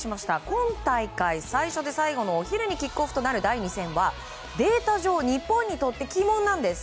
今大会最初で最後のお昼にキックオフとなる第２戦は、データ上日本にとって鬼門なんです。